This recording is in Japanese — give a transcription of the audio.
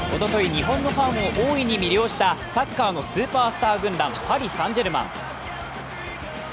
日本のファンを大いに魅了したサッカーのスーパースター軍団パリ・サン＝ジェルマン。